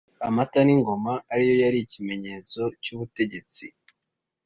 amatan’ingoma ariyo yari ikimenyetso cy’ubutegetsi